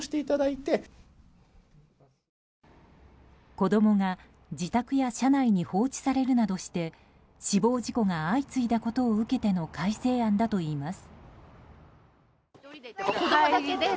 子供が自宅や車内に放置されるなどして死亡事故が相次いだことを受けての改正案だといいます。